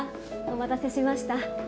お待たせしました。